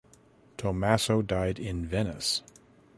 Tommaso died in Venice.